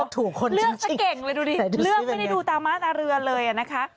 เลือกถูกคนจริงแต่ดูซิเป็นยังไงเลือกเก่งเลยดูดิเลือกไม่ได้ดูตาม้าตาเรือเลยอ่ะนะคะ